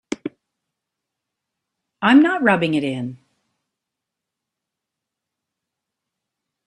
I'm not rubbing it in.